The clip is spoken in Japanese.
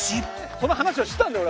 その話をしてたんだよ！